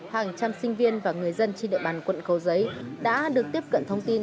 hàng trăm sinh viên và người dân trên địa bàn quận cầu giấy đã được tiếp cận thông tin